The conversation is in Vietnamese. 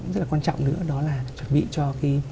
rất là quan trọng nữa đó là chuẩn bị cho cái